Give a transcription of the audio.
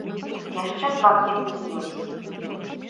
Яшчэ два пеўні ёсць.